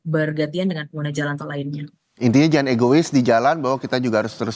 bergantian dengan pengguna jalan tol lainnya intinya jangan egois di jalan bahwa kita juga harus terus